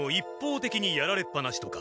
てきにやられっぱなしとか。